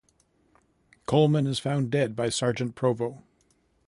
Coleman is found dead by Sergeant Provo.